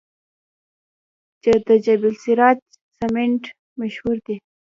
د جبل السراج سمنټ مشهور دي